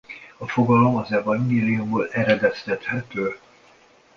A fogalom az evangéliumból eredeztethető.